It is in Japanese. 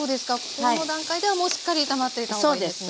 この段階ではもうしっかり炒まっていた方がいいんですね。